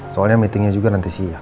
soalnya meetingnya juga nanti siang